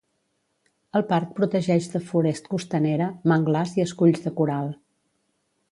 El parc protegeix de forest costanera, manglars i esculls de coral.